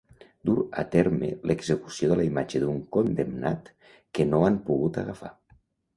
Dur a terme l'execució de la imatge d'un condemnat que no han pogut agafar.